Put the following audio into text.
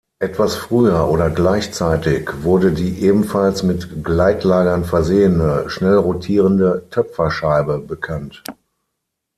Etwas früher oder gleichzeitig wurde die ebenfalls mit Gleitlagern versehene, schnell rotierende Töpferscheibe bekannt.